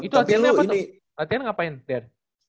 itu latihannya apa latihan ngapain der